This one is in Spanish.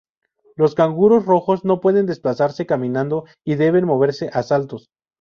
Los canguros rojos no pueden desplazarse caminando, y deben moverse a saltos.